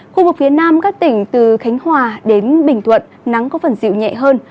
khu vực phía nam các tỉnh từ khánh hòa đến bình thuận nắng có phần dịu nhẹ hơn